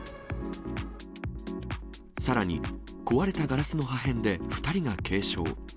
さらに壊れたガラスの破片で２人が軽傷。